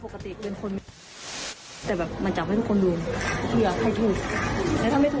โปรโปรนะโปรเร็ว